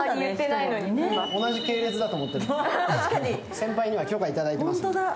先輩には許可いただいてますから。